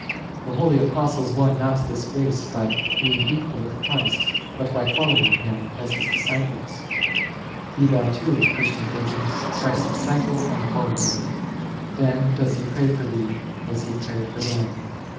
The holy Apostles won not this grace by being equal with Christ, but by following Him as His disciples ; be thou too, Christian virgin, Christ's disciple and follow Him ; then does He pray for thee as He prayed for them.